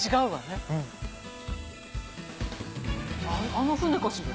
あの船かしら？